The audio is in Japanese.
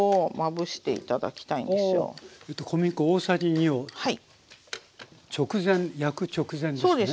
小麦粉大さじ２を直前焼く直前ですね。